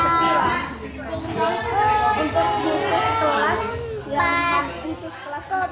untuk bisnis kelas